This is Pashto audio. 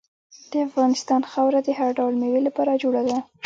د افغانستان خاوره د هر ډول میوې لپاره جوړه ده.